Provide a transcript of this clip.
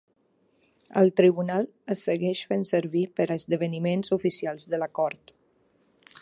El tribunal es segueix fent servir per a esdeveniments oficials de la cort.